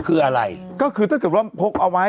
เอ่ออันละ๒๐๐๐อะ